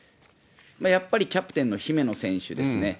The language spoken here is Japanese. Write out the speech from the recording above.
やっぱりキャプテンの姫野選手ですね。